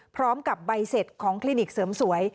พร้อมกับใบเสร็จของคลินิกเสริมสวย